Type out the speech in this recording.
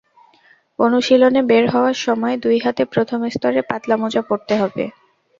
অনুশীলনে বের হওয়ার সময় দুই হাতে প্রথম স্তরে পাতলা মোজা পরতে হবে।